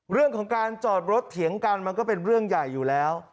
เรื่องของการจอดรถเถียงกันมันก็เป็นเรื่องใหญ่อยู่แล้ว